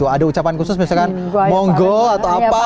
ada ucapan khusus misalkan monggo atau apa